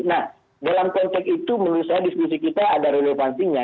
nah dalam konteks itu menurut saya diskusi kita ada relevansinya